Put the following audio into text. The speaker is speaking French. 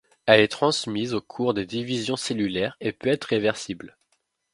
Elle est transmise au cours des divisions cellulaires et peut être réversible.